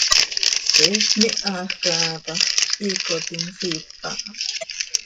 He smihaj caha tax, hiicot insiip aha.